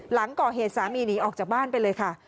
หลังก่อเหตุสามีหนีออกจากบ้านไปเลยค่ะ